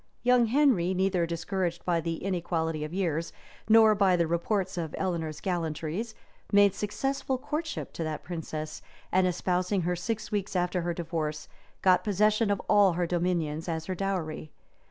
Young Henry, neither discouraged by the inequality of years, nor by the reports of Eleanor's gallantries, made successful courtship to that princess, and espousing her six weeks after her divorce, got possession of all her dominions as her dowry.